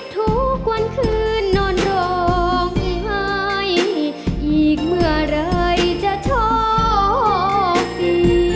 ทุกวันคืนนอนร้องไห้อีกเมื่อไหร่จะโชคดี